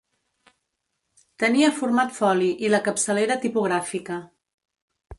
Tenia format foli i la capçalera tipogràfica.